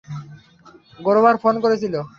Grover phone করেছিল।